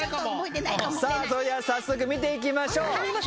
さあそれでは早速見ていきましょう。